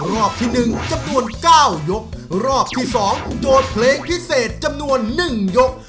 รอบที่๑จำนวน๙ยกรอบที่๒โจทย์เพลงพิเศษจำนวน๑ยก